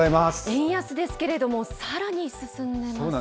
円安ですけれども、さらに進そうなんです。